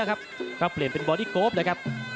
ก็เปลี่ยนเป็นเบอร์ดีโก๊คแบน